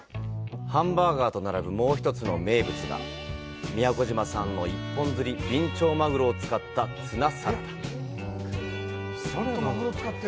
ハンバーガーと並ぶもう１つの名物が、宮古島産の一本釣りビンチョウマグロを使ったツナサラダ。